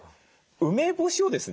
梅干しをですね